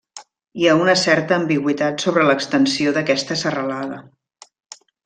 Hi ha una certa ambigüitat sobre l'extensió d'aquesta serralada.